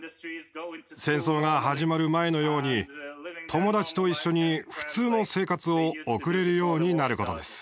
戦争が始まる前のように友達と一緒に普通の生活を送れるようになることです。